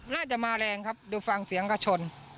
น่าจะมาแรงครับดูฟังเสียงกระชน